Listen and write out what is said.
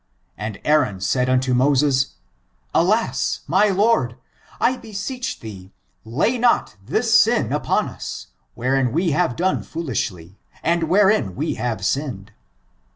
And Aaron said unto Moses, alas ! my Lord, I beseech thee, lay not this sin upon us, wherein we have done foolishly, and wherein we have sinned.